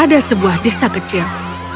ada sebuah desa kecil